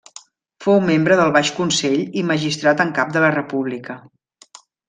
Fou membre del Baix Consell i magistrat en cap de la República.